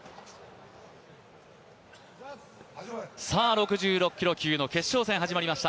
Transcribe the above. ６６キロ級の決勝戦始まりました。